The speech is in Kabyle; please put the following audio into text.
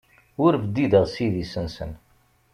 Ur bdideɣ s idis-nsen.